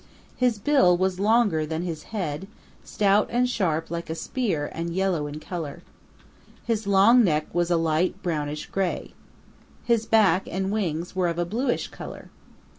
His bill was longer than his head, stout and sharp like a spear and yellow in color. His long neck was a light brownish gray. His back and wings were of a bluish color.